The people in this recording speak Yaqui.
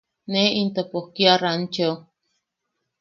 Ne into pues kia rancheo.